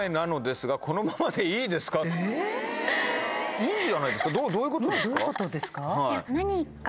いいんじゃないですか？